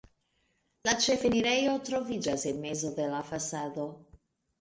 La ĉefenirejo troviĝas en mezo de la fasado.